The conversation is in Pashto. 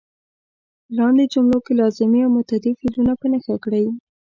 په لاندې جملو کې لازمي او متعدي فعلونه په نښه کړئ.